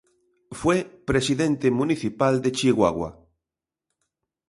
Fue Presidente Municipal de Chihuahua.